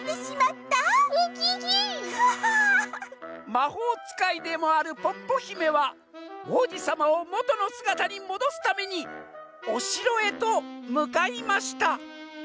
「まほうつかいでもあるポッポひめはおうじさまをもとのすがたにもどすためにおしろへとむかいました」。